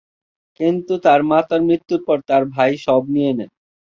কিন্তু তার মাতার মৃত্যুর পর তার ভাই সব নিয়ে নেন।